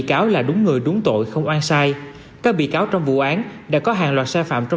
bị cáo là đúng người đúng tội không oan sai các bị cáo trong vụ án đã có hàng loạt sai phạm trong